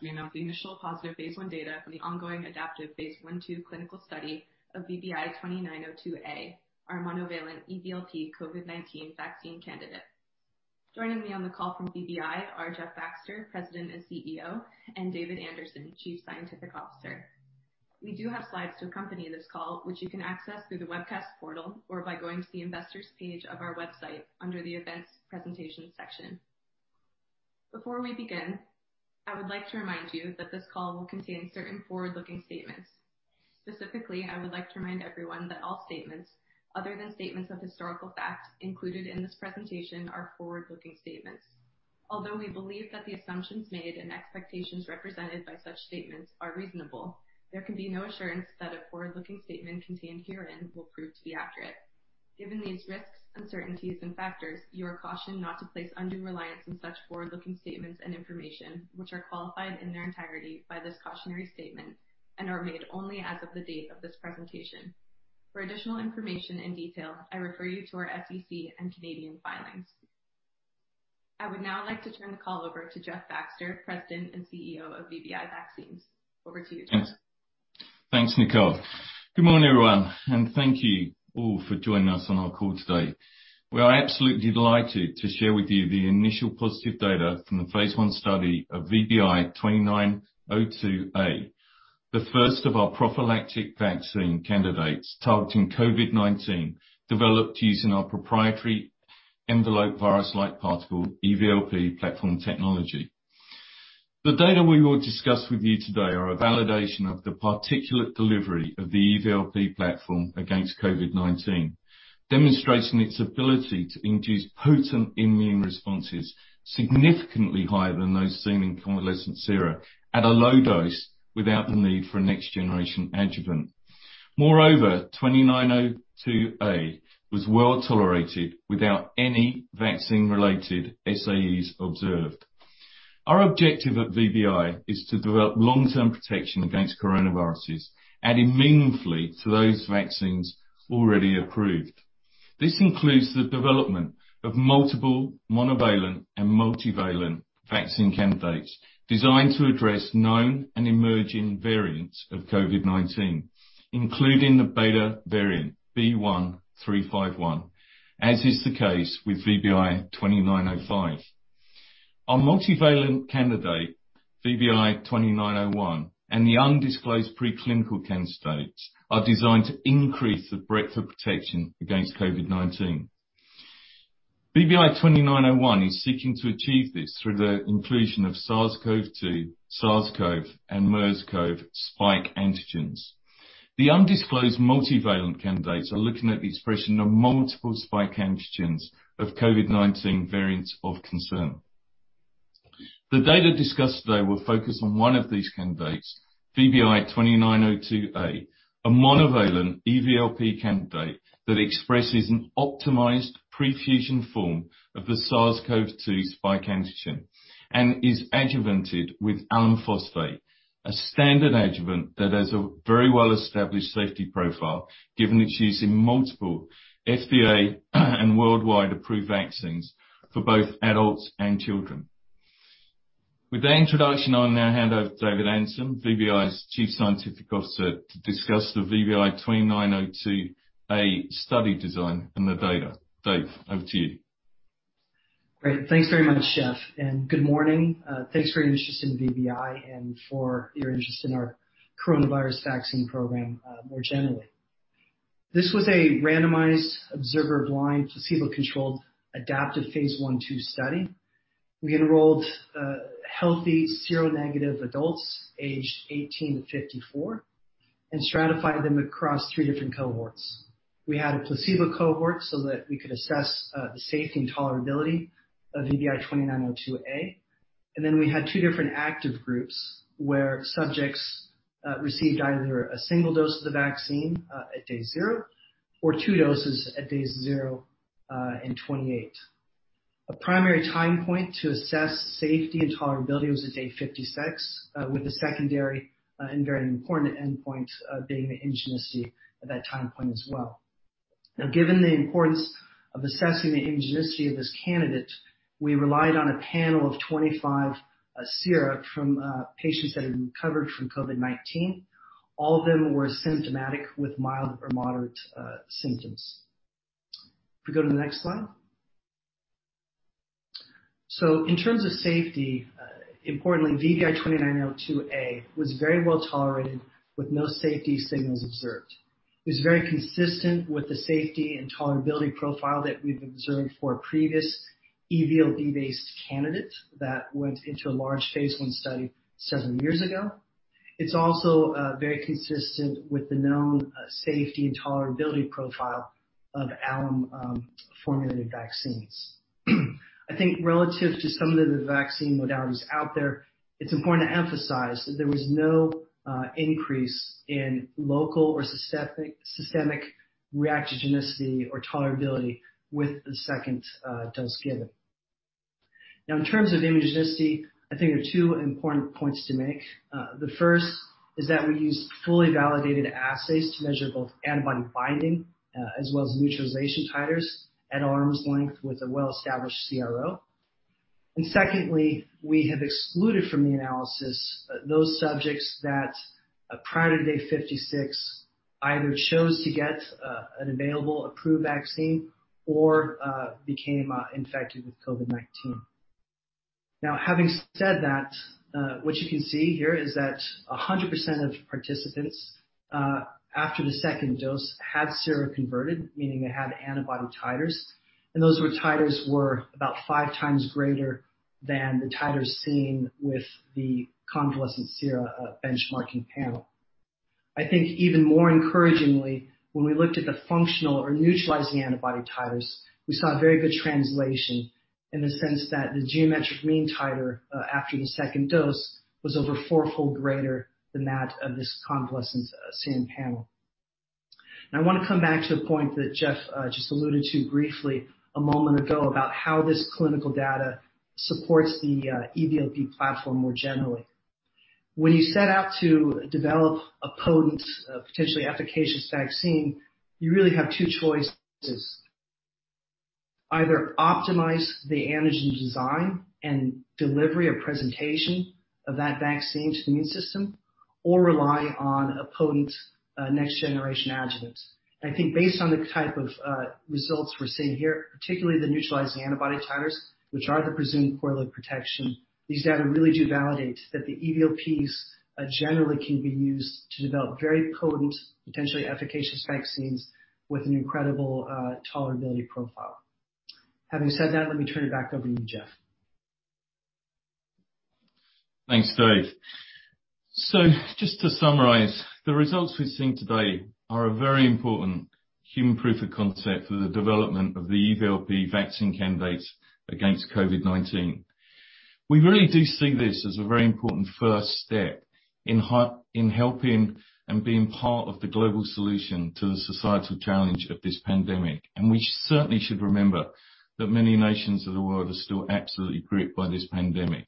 As we announce the initial positive phase I data for the ongoing adaptive phase I/II clinical study of VBI-2902a, our monovalent eVLP COVID-19 vaccine candidate. Joining me on the call from VBI Vaccines are Jeff Baxter, President and Chief Executive Officer, and David Anderson, Chief Scientific Officer. We do have slides to accompany this call, which you can access through the webcast portal or by going to the investors' page of our website under the Events Presentation section. Before we begin, I would like to remind you that this call will contain certain forward-looking statements. Specifically, I would like to remind everyone that all statements other than statements of historical fact included in this presentation are forward-looking statements. Although we believe that the assumptions made and expectations represented by such statements are reasonable, there can be no assurance that a forward-looking statement contained herein will prove to be accurate. Given these risks, uncertainties, and factors, you are cautioned not to place undue reliance on such forward-looking statements and information, which are qualified in their entirety by this cautionary statement and are made only as of the date of this presentation. For additional information and detail, I refer you to our SEC and Canadian filings. I would now like to turn the call over to Jeff Baxter, President and Chief Executive Officer of VBI Vaccines. Over to you. Thanks, Nicole. Good morning, everyone, and thank you all for joining us on our call today. We are absolutely delighted to share with you the initial positive data from the phase I/II study of VBI-2902a, the first of our prophylactic vaccine candidates targeting COVID-19, developed using our proprietary enveloped virus-like particle, eVLP platform technology. The data we will discuss with you today are a validation of the particulate delivery of the eVLP platform against COVID-19, demonstrating its ability to induce potent immune responses significantly higher than those seen in convalescent sera at a low dose without the need for a next-generation adjuvant. Moreover, 2902a was well-tolerated without any vaccine-related SAEs observed. Our objective at VBI is to develop long-term protection against coronaviruses, adding meaningfully to those vaccines already approved. This includes the development of multiple monovalent and multivalent vaccine candidates designed to address known and emerging variants of COVID-19, including the Beta variant B.1.351, as is the case with VBI-2905. Our multivalent candidate, VBI-2901, and the undisclosed preclinical candidates are designed to increase the breadth of protection against COVID-19. VBI-2901 is seeking to achieve this through the inclusion of SARS-CoV-2, SARS-CoV, and MERS-CoV spike antigens. The undisclosed multivalent candidates are looking at the expression of multiple spike antigens of COVID-19 variants of concern. The data discussed today will focus on one of these candidates, VBI-2902a, a monovalent eVLP candidate that expresses an optimized prefusion form of the SARS-CoV-2 spike antigen and is adjuvanted with aluminum phosphate, a standard adjuvant that has a very well-established safety profile given its use in multiple FDA and worldwide approved vaccines for both adults and children. With that introduction, I'll now hand over to David Anderson, VBI's Chief Scientific Officer, to discuss the VBI-2902a study design and the data. Dave, over to you. Great. Thanks very much, Jeff, and good morning. Thanks for your interest in VBI and for your interest in our coronavirus vaccine program more generally. This was a randomized, observer-blind, placebo-controlled adaptive phase I/II study. We enrolled healthy seronegative adults aged 18 to 54 and stratified them across 3 different cohorts. We had a placebo cohort so that we could assess the safety and tolerability of VBI-2902a, and then we had 2 different active groups where subjects received either a 1 dose of the vaccine at day 0 or two doses at days 0 and 28. A primary time point to assess safety and tolerability was at day 56, with the secondary and very important endpoint being the immunogenicity at that time point as well. Given the importance of assessing the immunogenicity of this candidate, we relied on a panel of 25 sera from patients that had recovered from COVID-19. All of them were symptomatic with mild or moderate symptoms. If we go to the next slide. In terms of safety, importantly, VBI-2902a was very well-tolerated with no safety signals observed. It's very consistent with the safety and tolerability profile that we've observed for a previous eVLP-based candidate that went into a large phase I study 7 years ago. It's also very consistent with the known safety and tolerability profile of alum-formulated vaccines. I think relative to some of the vaccine data that's out there, it's important to emphasize that there was no increase in local or systemic reactogenicity or tolerability with the 2nd dose given. In terms of immunogenicity, I think there are 2 important points to make. The first is that we use fully validated assays to measure both antibody binding as well as neutralization titers at arm's length with a well-established CRO. Secondly, we have excluded from the analysis those subjects that, prior to day 56, either chose to get an available approved vaccine or became infected with COVID-19. Now, having said that, what you can see here is that 100% of participants after the second dose had seroconverted, meaning they had antibody titers. Those were titers were about five times greater than the titers seen with the convalescent sera benchmarking panel. I think even more encouragingly, when we looked at the functional or neutralizing antibody titers, we saw very good translation in the sense that the geometric mean titer after the second dose was over fourfold greater than that of this convalescent sera panel. Now, I want to come back to the point that Jeff just alluded to briefly a moment ago about how this clinical data supports the eVLP platform more generally. When you set out to develop a potent, potentially efficacious vaccine, you really have two choices. Either optimize the antigen design and delivery or presentation of that vaccine to the immune system, or rely on a potent next-generation adjuvant. I think based on the type of results we're seeing here, particularly the neutralizing antibody titers, which are the presumed correlate of protection, these data really do validate that the eVLPs generally can be used to develop very potent, potentially efficacious vaccines with an incredible tolerability profile. Having said that, let me turn it back over to you, Jeff. Thanks, David. Just to summarize, the results we've seen today are a very important human proof of concept for the development of the eVLP vaccine candidates against COVID-19. We really do see this as a very important first step in helping and being part of the global solution to the societal challenge of this pandemic. We certainly should remember that many nations of the world are still absolutely gripped by this pandemic.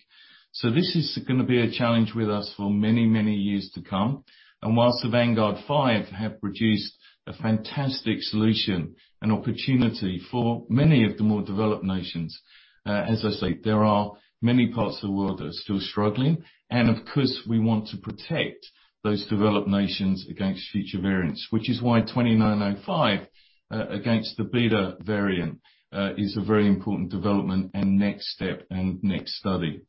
This is going to be a challenge with us for many, many years to come. Whilst the Big Five have produced a fantastic solution and opportunity for many of the more developed nations, as I say, there are many parts of the world that are still struggling. Of course, we want to protect those developed nations against future variants, which is why VBI-2905 against the Beta variant is a very important development and next step and next study.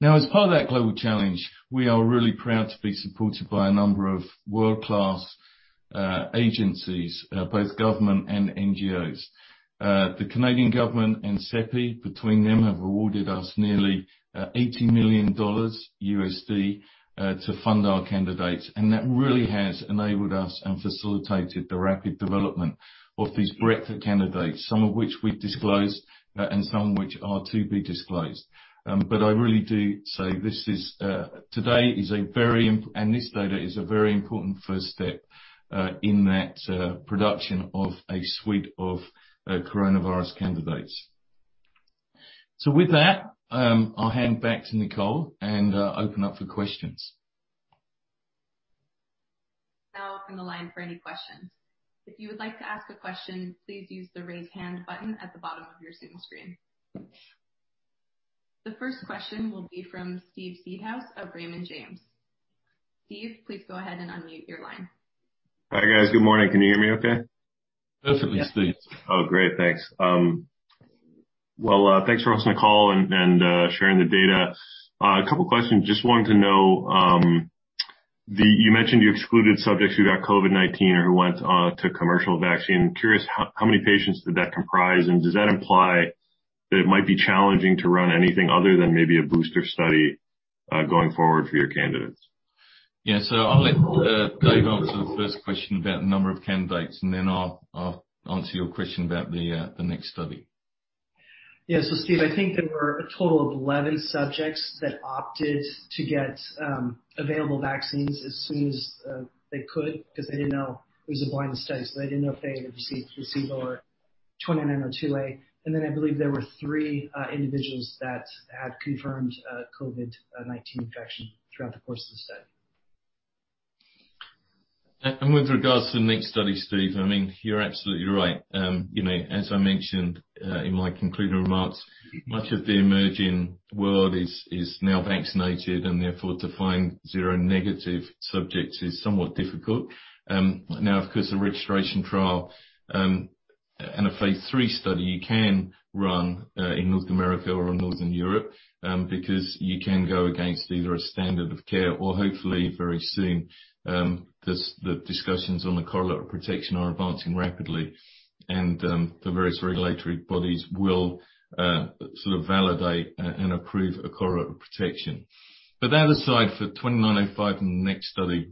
As part of that global challenge, we are really proud to be supported by a number of world-class agencies, both government and NGOs. The Canadian government and CEPI between them have awarded us nearly $80 million to fund our candidates, and that really has enabled us and facilitated the rapid development of these breadth of candidates, some of which we've disclosed and some of which are to be disclosed. I really do say today is a very, and this data is a very important first step in that production of a suite of coronavirus candidates. With that, I'll hand back to Nicole and open up for questions. Now open the line for any questions. If you would like to ask a question, please use the raise hand button at the bottom of your screen. The first question will be from Steve Seedhouse of Raymond James. Steve, please go ahead and unmute your line. Hi, guys. Good morning. Can you hear me okay? Perfectly. Oh, great. Thanks. Well, thanks for hosting the call and sharing the data. A couple questions. Just wanted to know, you mentioned you excluded subjects who got COVID-19 or went to commercial vaccine. I'm curious how many patients did that comprise, and does that imply that it might be challenging to run anything other than maybe a booster study, going forward for your candidates? Yeah. I'll let David answer the first question about number of candidates, and then I'll answer your question about the next study. Yeah. Steve, I think there were a total of 11 subjects that opted to get available vaccines as soon as they could, because they didn't know, it was a blind study, so they didn't know if they had received the placebo or 2902a. I believe there were three individuals that had confirmed COVID-19 infection throughout the course of the study. With regards to the next study, Steve, I mean, you're absolutely right. As I mentioned in my concluding remarks, much of the emerging world is now vaccinated, and therefore to find seronegative subjects is somewhat difficult. Of course, a registration trial and a phase III study, you can run in North America or northern Europe, because you can go against either a standard of care or hopefully very soon, the discussions on the correlate of protection are advancing rapidly, and the various regulatory bodies will sort of validate and approve a correlate of protection. That aside, for VBI-2905 in the next study,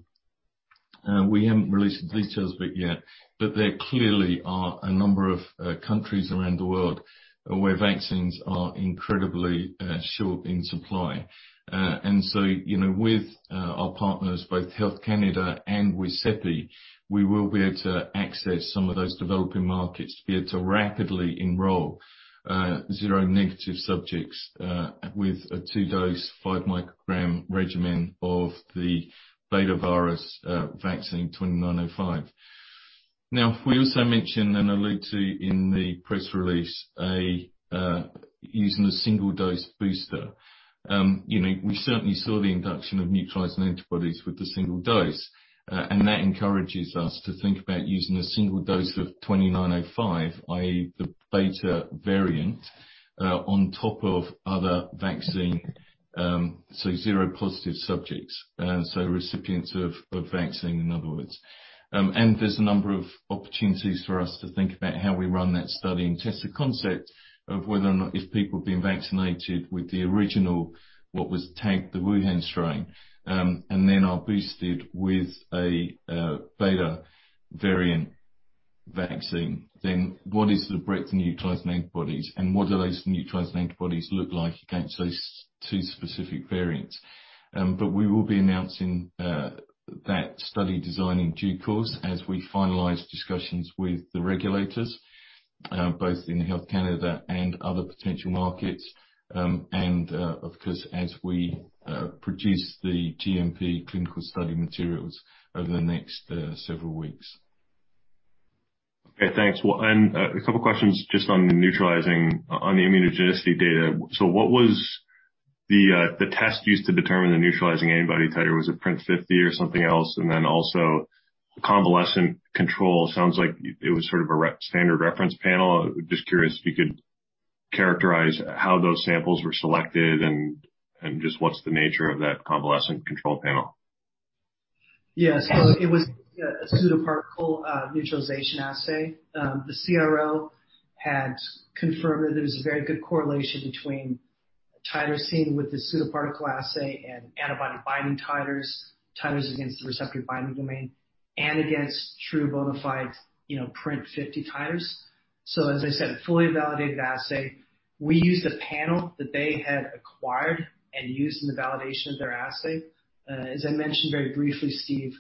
we haven't released the details of it yet, but there clearly are a number of countries around the world where vaccines are incredibly short in supply. With our partners, both Health Canada and with CEPI, we will be able to access some of those developing markets to be able to rapidly enroll seronegative subjects with a 2-dose, 5 microgram regimen of the Beta variant VBI-2905. We also mentioned and allude to in the press release, using a single-dose booster. We certainly saw the induction of neutralizing antibodies with the single dose, and that encourages us to think about using a single dose of VBI-2905, i.e., the Beta variant, on top of other vaccine, so seropositive subjects, so recipients of vaccine, in other words. There's a number of opportunities for us to think about how we run that study and test the concept of whether or not if people have been vaccinated with the original, what was tagged the Wuhan strain, and then are boosted with a Beta variant vaccine, then what is the breadth of neutralizing antibodies, and what do those neutralizing antibodies look like against those two specific variants? We will be announcing that study design in due course as we finalize discussions with the regulators, both in Health Canada and other potential markets, and of course, as we produce the GMP clinical study materials over the next several weeks. Okay, thanks. Well, a couple of questions just on the immunogenicity data. What was the test used to determine the neutralizing antibody titer? Was it PRNT50 or something else? Then also convalescent control, sounds like it was sort of a standard reference panel. Just curious if you could characterize how those samples were selected and just what's the nature of that convalescent control panel. Yeah. It was a pseudoparticle neutralization assay. The CRO had confirmed that there was a very good correlation between titer seen with the pseudoparticle assay and antibody binding titers against the receptor binding domain, and against true bona fide PRNT50 titers. As I said, a fully validated assay. We used a panel that they had acquired and used in the validation of their assay. As I mentioned very briefly, Steve,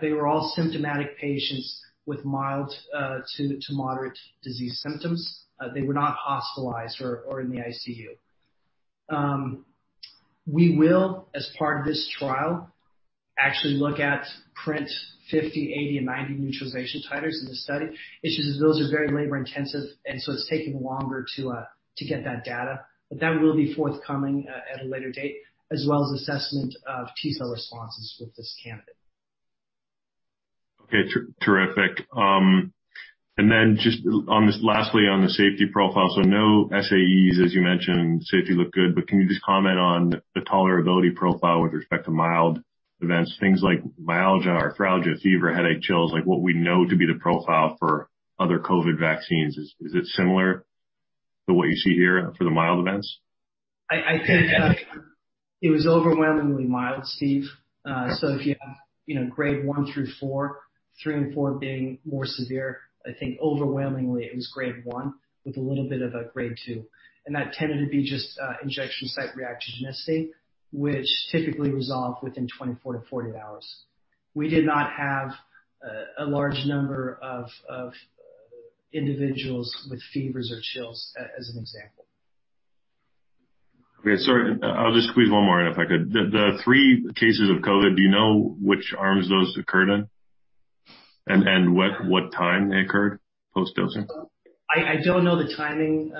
they were all symptomatic patients with mild to moderate disease symptoms. They were not hospitalized or in the ICU. We will, as part of this trial, actually look at PRNT50, 80, and 90 neutralization titers in this study. It's just those are very labor-intensive, and so it's taking longer to get that data. That will be forthcoming at a later date, as well as assessment of T-cell responses with this candidate. Okay, terrific. Lastly, on the safety profile. No SAEs, as you mentioned, safety looked good, but can you just comment on the tolerability profile with respect to mild events, things like myalgia, arthralgia, fever, headache, chills, like what we know to be the profile for other COVID vaccines. Is it similar to what you see here for the mild events? I can. It was overwhelmingly mild, Steve. If you have grade 1 through 4, 3 and 4 being more severe, I think overwhelmingly it was grade 1 with a little bit of a grade 2. That tended to be just injection site reactogenicity, which typically resolved within 24 to 40 hours. We did not have a large number of individuals with fevers or chills as an example. I'll just squeeze 1 more in if I could. The 3 cases of COVID-19, do you know which arms those occurred in and what time they occurred post-dosing? I don't know the timing,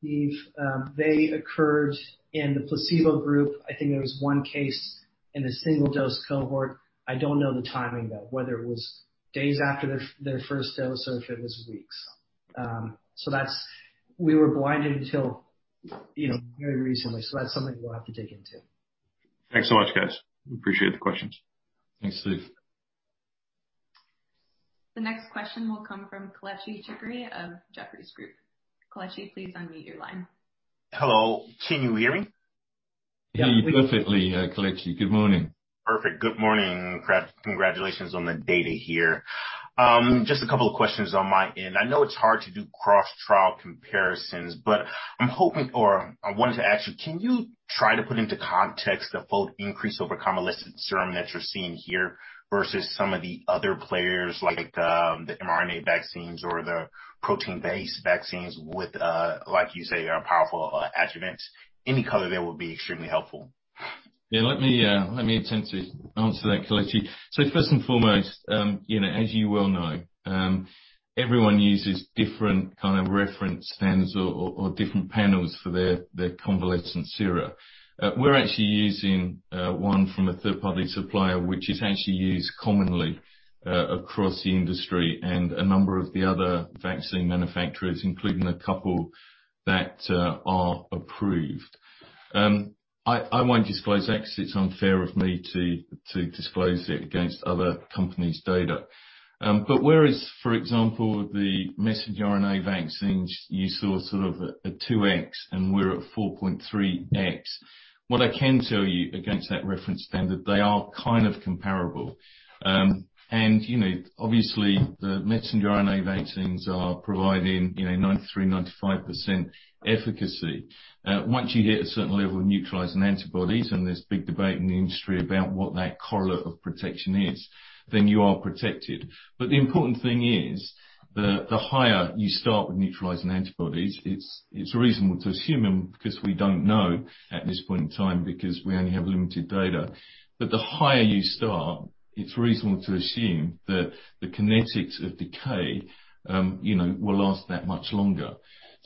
Steve. They occurred in the placebo group. I think it was one case in a single-dose cohort. I don't know the timing, though, whether it was days after their first dose or if it was weeks. We were blinded until very recently. That's something we'll have to dig into. Thanks so much, guys. Appreciate the questions. Thanks, Steve. The next question will come from Akash Tewari of Jefferies. Akash, please unmute your line. Hello. Can you hear me? Yeah, perfectly, Akash Tewari. Good morning. Perfect. Good morning, and congratulations on the data here. Just a couple of questions on my end. I know it's hard to do cross-trial comparisons. I wanted to ask you, can you try to put into context the fold increase over convalescent serum that you're seeing here versus some of the other players like the mRNA vaccines or the protein-based vaccines with, like you say, powerful adjuvants? Any color there would be extremely helpful. Let me attempt to answer that, Akash Tewari. First and foremost, as you well know, everyone uses different kind of reference standards or different panels for their convalescent sera. We're actually using one from a third-party supplier, which is actually used commonly across the industry and a number of the other vaccine manufacturers, including a couple that are approved. I won't disclose X. It's unfair of me to disclose it against other companies' data. Whereas, for example, the messenger RNA vaccines, you saw sort of a 2X and we're at 4.3X. What I can tell you against that reference standard, they are kind of comparable. Obviously, the messenger RNA vaccines are providing 93%, 95% efficacy. Once you hit a certain level of neutralizing antibodies, and there's big debate in the industry about what that correlate of protection is, then you are protected. The important thing is that the higher you start with neutralizing antibodies, it's reasonable to assume, because we don't know at this point in time because we only have limited data, it's reasonable to assume that the kinetics of decay will last that much longer.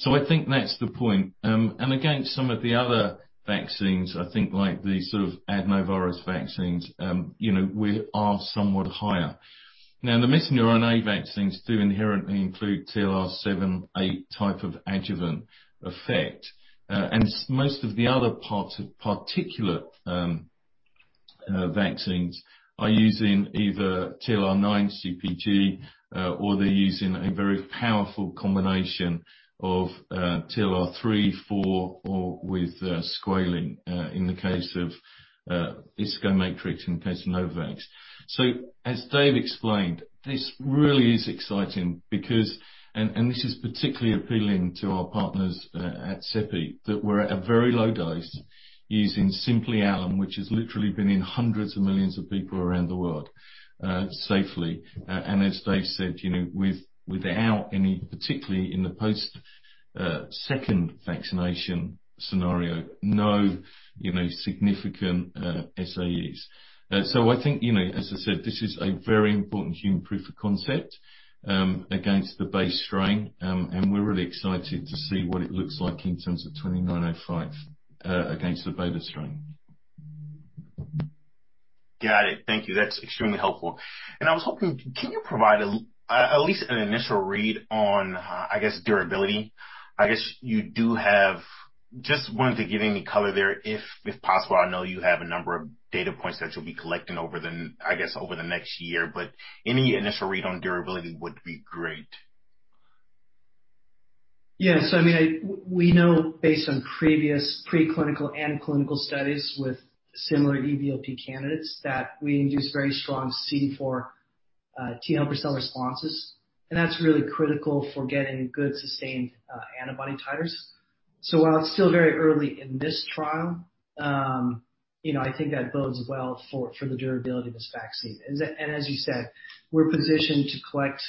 I think that's the point. Against some of the other vaccines, I think like the sort of adenovirus vaccines, we are somewhat higher. Now, the messenger RNA vaccines do inherently include TLR7/8 type of adjuvant effect. Most of the other parts of particulate vaccines are using either TLR9 CpG, or they're using a very powerful combination of TLR3/4 or with squalene, in the case of ISCOMATRIX and Pandemrix. As Dave explained, this really is exciting because, and this is particularly appealing to our partners at CEPI, that we're at a very low dose using simply alum, which has literally been in hundreds of millions of people around the world safely. As Dave said, without any, particularly in the post second vaccination scenario, no significant SAEs. I think, as I said, this is a very important human proof of concept against the base strain, and we're really excited to see what it looks like in terms of VBI-2905 against the Beta variant. Got it. Thank you. That's extremely helpful. I was hoping, can you provide at least an initial read on, I guess, durability? Just wanted to get any color there, if possible. I know you have a number of data points that you'll be collecting over the, I guess, over the next year. Any initial read on durability would be great. Yeah. We know based on previous preclinical and clinical studies with similar eVLP candidates that we induce very strong CD4 T-helper cell responses, and that's really critical for getting good, sustained antibody titers. While it's still very early in this trial, I think that bodes well for the durability of this vaccine. As you said, we're positioned to collect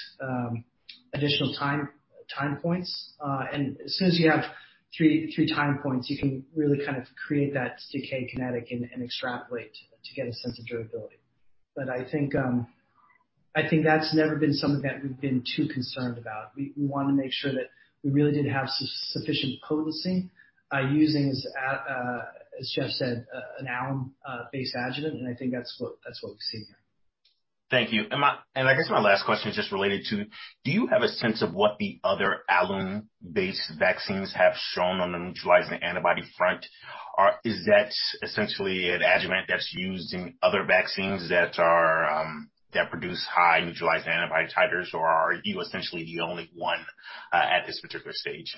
additional time points. As soon as you have 3 time points, you can really kind of create that decay kinetic and extrapolate to get a sense of durability. I think that's never been something that we've been too concerned about. We want to make sure that we really did have sufficient potency by using, as Jeff said, an alum-based adjuvant, and I think that's what we've seen here. Thank you. I guess my last question is just related to, do you have a sense of what the other alum-based vaccines have shown on the neutralizing antibody front? Is that essentially an adjuvant that's used in other vaccines that produce high neutralizing antibody titers, or are you essentially the only one at this particular stage?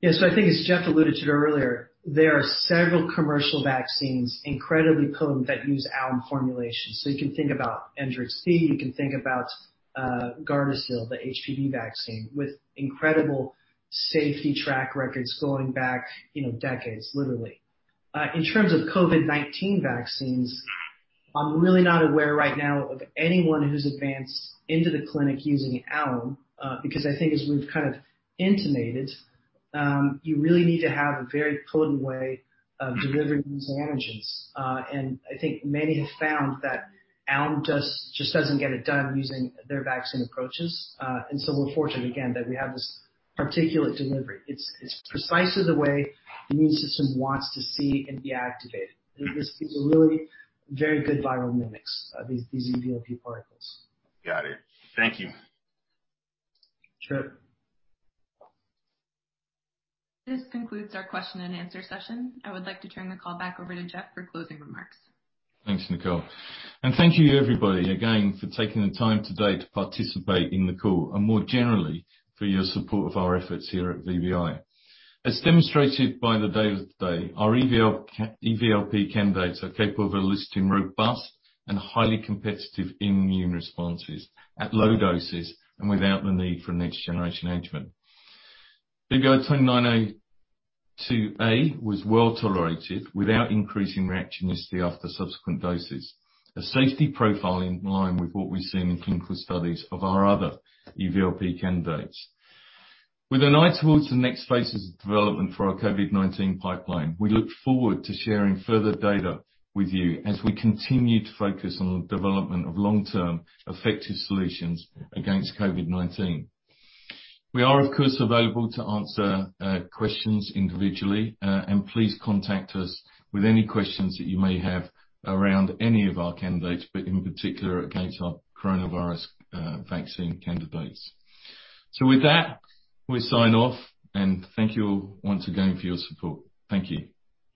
Yeah. I think as Jeff alluded to earlier, there are several commercial vaccines, incredibly potent, that use alum formulation. You can think about ENGERIX-B, you can think about GARDASIL, the HPV vaccine, with incredible safety track records going back decades, literally. In terms of COVID-19 vaccines, I'm really not aware right now of anyone who's advanced into the clinic using alum, because I think as we've kind of intimated, you really need to have a very potent way of delivering these antigens. I think many have found that alum just doesn't get it done using their vaccine approaches. We're fortunate again that we have this particulate delivery. It's precisely the way the immune system wants to see and be activated. These are really very good viral mimics, these eVLP particles. Got it. Thank you. Sure. This concludes our question and answer session. I would like to turn the call back over to Jeff for closing remarks. Thanks, Nicole. Thank you, everybody, again for taking the time today to participate in the call and more generally for your support of our efforts here at VBI. As demonstrated by the data today, our eVLP candidates are capable of eliciting robust and highly competitive immune responses at low doses and without the need for a next-generation adjuvant. VBI-2902a was well-tolerated without increasing reactogenicity after subsequent doses, a safety profile in line with what we've seen in clinical studies of our other eVLP candidates. With an eye towards the next phases of development for our COVID-19 pipeline, we look forward to sharing further data with you as we continue to focus on the development of long-term effective solutions against COVID-19. We are, of course, available to answer questions individually. Please contact us with any questions that you may have around any of our candidates, but in particular against our coronavirus vaccine candidates. With that, we sign off, and thank you all once again for your support. Thank you.